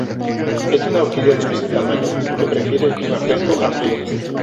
Es una orquídea de mediano tamaño, que prefiere el clima fresco a frío.